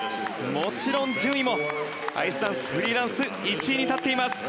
もちろん順位もアイスダンス、フリーダンス１位に立っています。